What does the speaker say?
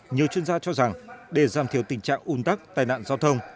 nhiều chuyên gia cho rằng để giảm thiểu tình trạng ủn tắc tai nạn giao thông